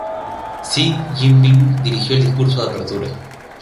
Xi Jinping dirigió el discurso de apertura.